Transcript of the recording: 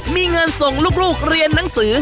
มีเงินส่งลูกเรียนหนังสือ